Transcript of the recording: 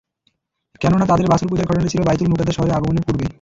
কেননা, তাদের বাছুর পূজার ঘটনাটি ছিল বায়তুল মুকাদ্দাস শহরে আগমনের পূর্বে।